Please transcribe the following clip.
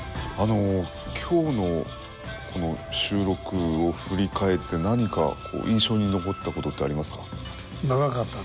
今日のこの収録を振り返って何か印象に残ったことってありますか？